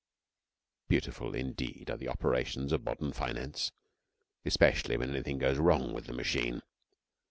Beautiful indeed are the operations of modern finance especially when anything goes wrong with the machine.